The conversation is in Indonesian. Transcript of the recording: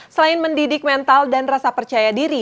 selain mendidik mental dan rasa percaya diri